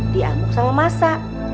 diangguk sama masa